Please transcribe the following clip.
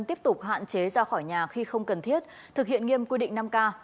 tiếp tục hạn chế ra khỏi nhà khi không cần thiết thực hiện nghiêm quy định năm k